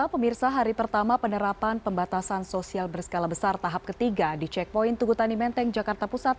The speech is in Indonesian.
pemirsa hari pertama penerapan pembatasan sosial berskala besar tahap ketiga di checkpoint tugutani menteng jakarta pusat